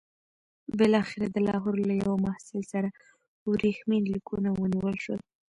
بالاخره د لاهور له یوه محصل سره ورېښمین لیکونه ونیول شول.